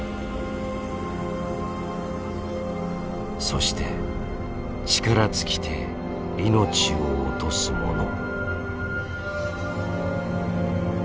そして力尽きて命を落とすもの。